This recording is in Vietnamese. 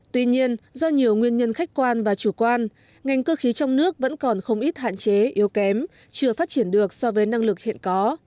tuy nhiên do nhiều nguyên nhân khách quan và chủ quan ngành cơ khí trong nước vẫn còn không ít hạn chế yếu kém chưa phát triển được so với năng lực hiện có